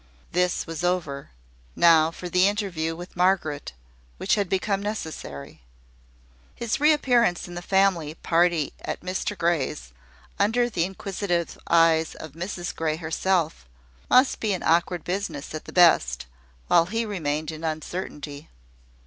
This was over. Now for the interview with Margaret, which had become necessary. His reappearance in the family party at Mr Grey's, under the inquisitive eyes of Mrs Grey herself, must be an awkward business at the best, while he remained in uncertainty.